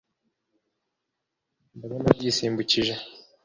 ndabona byisimbukije